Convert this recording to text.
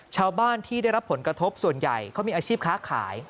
ชาวบ้านที่ได้รับผลกระทบส่วนใหญ่เขามีอาชีพค้าขาย